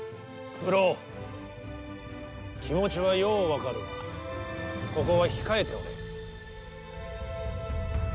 九郎、気持ちはよう分かるが、ここは控えておれ。